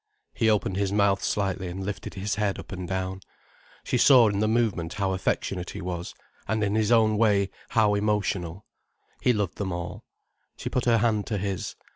He opened his mouth slightly and lifted his head up and down. She saw in the movement how affectionate he was, and in his own way, how emotional. He loved them all. She put her hand to his.